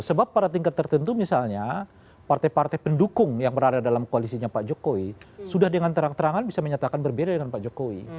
sebab pada tingkat tertentu misalnya partai partai pendukung yang berada dalam koalisinya pak jokowi sudah dengan terang terangan bisa menyatakan berbeda dengan pak jokowi